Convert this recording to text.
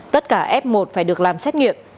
tất cả f một phải được làm xét nghiệm